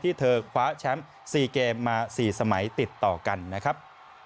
เธอคว้าแชมป์๔เกมมา๔สมัยติดต่อกันนะครับ